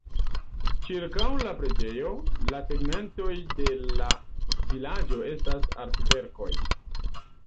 Ĉirkaŭ la preĝejo, la tegmentoj de la vilaĝo estas artverkoj.